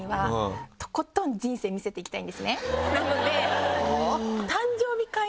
なので。